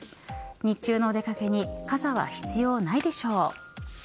日中のお出掛けに傘は必要ないでしょう。